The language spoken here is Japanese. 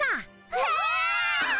うわ！